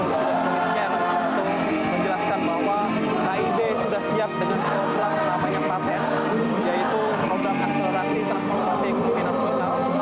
data bahwa kib sudah siap ketuk kontrak yang pertanyaan partai yaitu kontrak akselerasi transformasi ekonomi nasional